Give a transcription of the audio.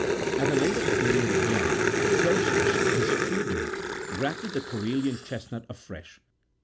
At a later period again, Etereius, his freedman, grafted the Corellian38 chesnut afresh.